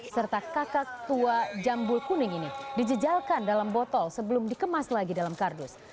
serta kakak tua jambul kuning ini dijejalkan dalam botol sebelum dikemas lagi dalam kardus